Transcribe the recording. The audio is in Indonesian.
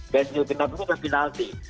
ganjil genap itu kan penalti